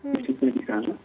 di situ di sana